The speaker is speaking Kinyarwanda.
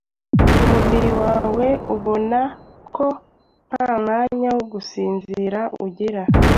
umubiri wawe ubona ko nta mwanya wo gusinzira ugira.